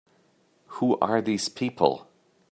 Who are these people?